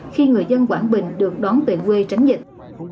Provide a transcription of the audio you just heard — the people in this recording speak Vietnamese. khi người dân quảng bình được đón về quê tránh dịch